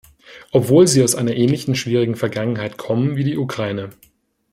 Obwohl sie aus einer ähnlich schwierigen Vergangenheit kommen wie die Ukraine.